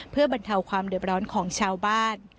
เพื่อบรรเทาความเดือบร้อนของชาวบ้าน